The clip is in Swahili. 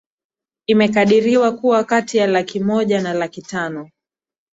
imekadiriwa kuwa kati ya laki moja na laki tano